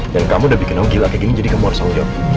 dan kamu udah bikin aku gila kayak gini jadi kamu harus selalu jawab